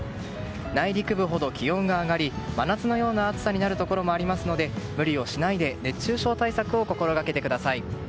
内陸部ほど気温が上がり真夏のような暑さになるところもあるので無理をしないで熱中症対策を心掛けてください。